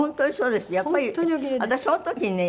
やっぱり私その時にね